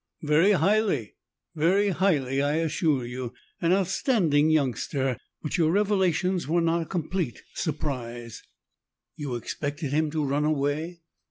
"Very highly. Very highly I assure you. An outstanding youngster, but your revelations were not a complete surprise." "You expected him to run away?"